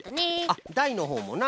あっだいのほうもな。